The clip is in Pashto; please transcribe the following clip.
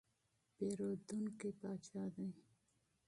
پیرودونکی پاچا دی.